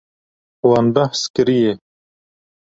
Wan behs kiriye.